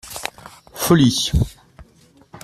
Folie.